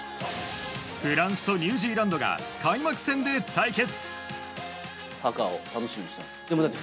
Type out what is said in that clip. フランスとニュージーランドが開幕戦で対決。